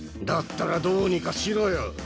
だったらどうにかしろよ。